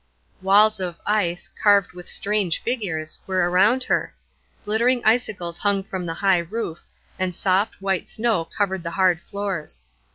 Walls of ice, carved with strange figures, were around her; glittering icicles hung from the high roof, and soft, white snow covered the hard floors.